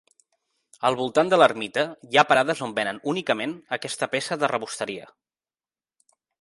El voltant de l'ermita hi ha parades on venen únicament aquesta peça de rebosteria.